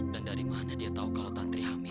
dan dari mana dia tahu kalau tantri hamil